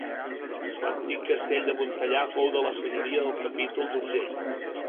L'antic castell de Montellà fou de la senyoria del capítol d'Urgell.